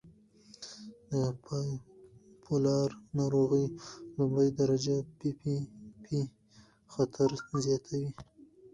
د بایپولار ناروغۍ لومړۍ درجه د پي پي پي خطر زیاتوي.